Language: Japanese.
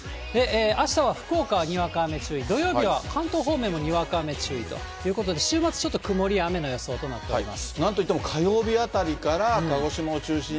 あしたは福岡はにわか雨注意、土曜日は関東方面もにわか雨注意ということで、週末ちょっと曇りや雨の予想となっています。